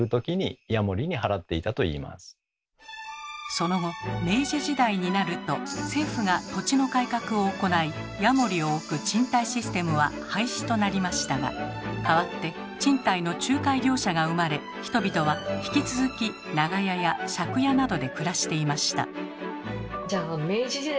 その後明治時代になると政府が土地の改革を行い家守を置く賃貸システムは廃止となりましたが代わって賃貸の仲介業者が生まれ人々は引き続き長屋や借家などで暮らしていました。